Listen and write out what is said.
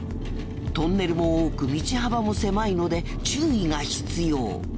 トンネルも多く道幅も狭いので注意が必要。